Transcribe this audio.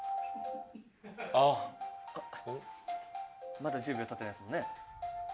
まだ１０秒経ってないですもんね。